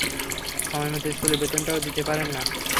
সময়মতো স্কুলের বেতনটাও দিতে পারেন না।